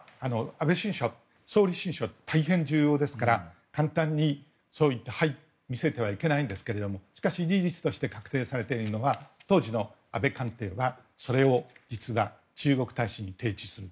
総理親書、大変重要ですから簡単に見せてはいけないんですけどもしかし、事実として確認されているのは当時の安倍官邸はそれを実は中国大使に提示する。